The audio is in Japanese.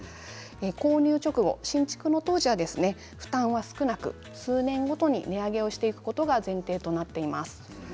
購入直後、新築の当時負担は少なく数年ごとに値上げしていくことが前提となっています。